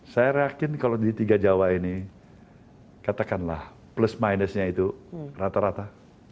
saya yakin kalau di tiga jawa ini katakanlah plus minusnya itu rata rata